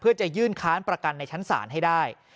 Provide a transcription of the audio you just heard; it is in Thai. เพื่อจะยื่นค้านประกันในชั้นศาลให้ได้